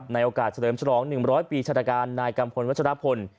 ในโอกาสเฉลิมชรอง๑๐๐ปีชนาการนายกรรมพลวัชราปน